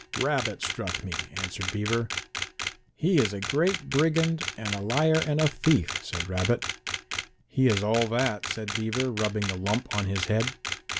"Rabbit struck me," answered Beaver. "He is a great brigand and a liar and a thief," said Rabbit. "He is all that," said Beaver, rubbing the lump on his head.